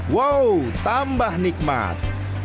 wow tambah nikmat